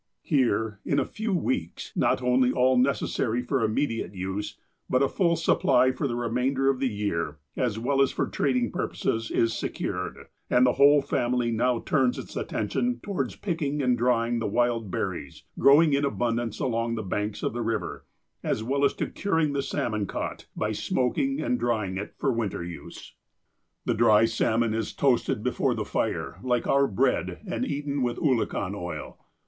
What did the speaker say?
Here, in a few weeks, not only all necessary for imme diate use, but a full supply for the remainder of the year, as well as for trading purposes, is secured, and the whole family now turns its attention towards picking and dry ing the wild berries growing in abundance along the banks of the river, as well as to curing the salmon caught, by smoking and drying it for winter use. YO THE APOSTLE OF ALASKA The dry salmon is toasted before the fire, like our bread, and eaten with oolakan oil.